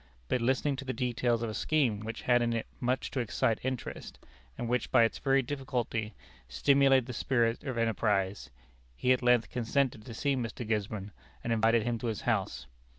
But listening to the details of a scheme which had in it much to excite interest, and which by its very difficulty stimulated the spirit of enterprise, he at length consented to see Mr. Gisborne, and invited him to his house.